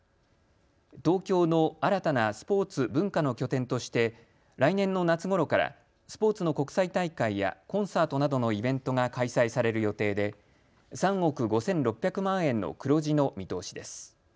東京の新たなスポーツ・文化の拠点として来年の夏ごろからスポーツの国際大会やコンサートなどのイベントが開催される予定で、３億５６００万円の黒字の見通しです。